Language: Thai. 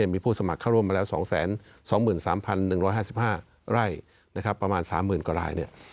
มีผู้สมัครเข้าร่วมมาแล้ว๒๒๓๑๕๕ไร่ประมาณ๓๐๐๐กว่าราย